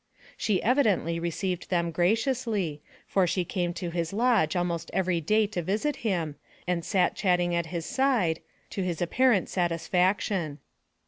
She evidently received them graciously, for she came to his lodge almost every day to visit him, and sat chatting at his side, to his apparent satisfaction.